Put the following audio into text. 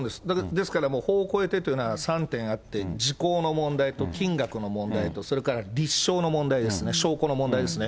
ですから、もう法を超えてというのは３点あって、時効の問題と金額の問題とあと立証の問題ですね、証拠の問題ですね。